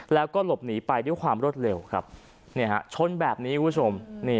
แล้วก็หลบหนีไปด้วยความรวดเร็วครับชนแบบนี้คุณผู้ชม